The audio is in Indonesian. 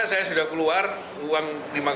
saya sudah keluar uang lima sembilan